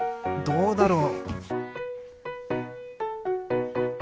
どうだろう？